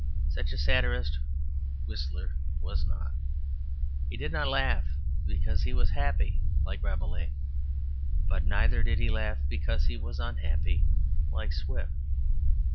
Such a satirist Whistler was not. He did not laugh because he was happy, like Rabelais. But neither did he laugh because he was unhappy, like Swift.